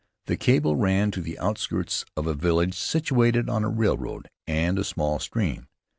The cable ran to the outskirts of a village situated on a railroad and a small stream.